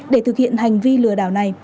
để thực hiện hành vi lừa đảo này